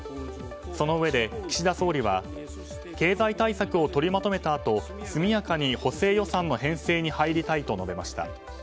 そのうえで岸田総理は経済対策を取りまとめたあと速やかに補正予算の編成に入りたいと述べました。